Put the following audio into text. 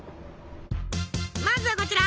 まずはこちら。